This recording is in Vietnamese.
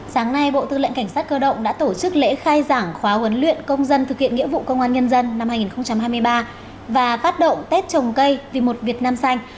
sáng nay bộ tư lệnh cảnh sát cơ động đã tổ chức lễ khai giảng khóa huấn luyện công dân thực hiện nghĩa vụ công an nhân dân năm hai nghìn hai mươi ba và phát động tết trồng cây vì một việt nam xanh